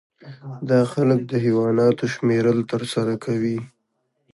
دا خلک د حیواناتو شمیرل ترسره کوي